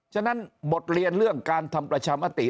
ฉะนั้นบทเรียนเรื่องการทำประชามติ